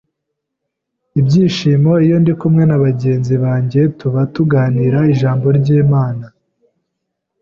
ibyishimo iyo ndi kumwe n’abagenzi banjye tuba tuganira ijambo ry’Imana